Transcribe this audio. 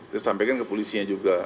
kita sampaikan ke polisinya juga